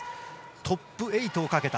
トップ８をかけた。